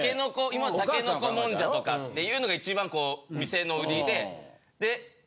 今の竹の子もんじゃとかっていうのが一番こう店の売りで。